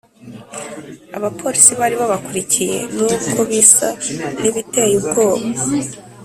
Abapolisi bari babakurikiye nubwo bisa n ibiteye ubwoba